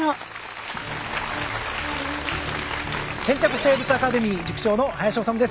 「へんてこ生物アカデミー」塾長の林修です。